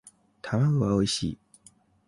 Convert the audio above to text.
卵はおいしい